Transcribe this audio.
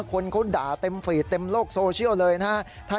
คนเขาด่าเต็มฟีดเต็มโลกโซเชียลเลยนะฮะ